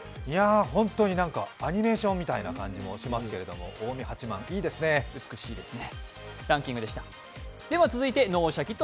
本当にアニメーションみたいな感じもしますけれども近江八幡、いいですね。